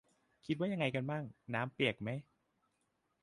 คิดว่ายังไงกันมั่ง ? น้ำเปียกไหม ?